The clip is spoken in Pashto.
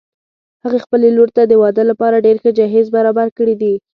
هغې خپلې لور ته د واده لپاره ډېر ښه جهیز برابر کړي دي